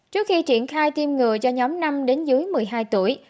trước khi triển khai tiêm ngừa cho nhóm năm đến dưới một mươi hai tuổi